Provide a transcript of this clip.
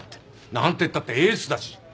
何てったってエースだし。